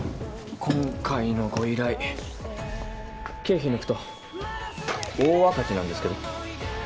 今回のご依頼経費抜くと大赤字なんですけど。